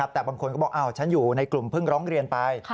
แต่บางคนก็บอกฉันอยู่ในกลุ่มเพิ่งร้องเรียนไป